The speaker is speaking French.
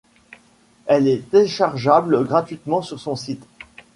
Elle est téléchargeable gratuitement sur son site.